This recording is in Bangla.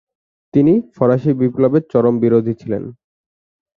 তিনি ফরাসি বিপ্লবের চরম বিরোধী ছিলেন।